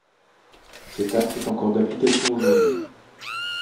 Cet acte est encore d'application aujourd'hui.